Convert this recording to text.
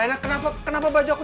reina reina kenapa baju aku